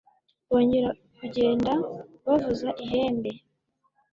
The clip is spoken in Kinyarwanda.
bongera kugenda bavuza ihembe